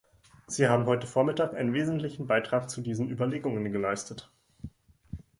Sie haben heute Vormittag einen wesentlichen Beitrag zu diesen Überlegungen geleistet.